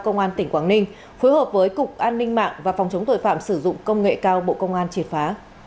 công an tỉnh quảng ninh phối hợp với cục an ninh mạng và phòng chống tội phạm sử dụng công nghệ cao bộ công an triệt phá